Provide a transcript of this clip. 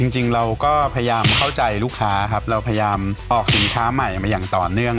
จริงเราก็พยายามเข้าใจลูกค้าครับเราพยายามออกสินค้าใหม่มาอย่างต่อเนื่อง